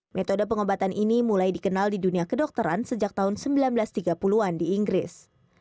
metode pengobatan ini mulai dikenal di dunia kedokteran sejak tahun seribu sembilan ratus tiga puluh an di inggris